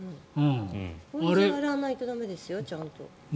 洗わないと駄目ですよちゃんと。